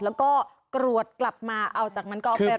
แล้วก็กรวดกลับมาเอาจากนั้นก็ออกไปรวดน้ำ